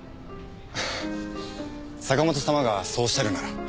坂本様がそうおっしゃるなら。